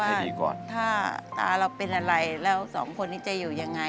ให้ดีก่อนถ้าตาเราเป็นอะไรแล้วสองคนนี้จะอยู่ยังไง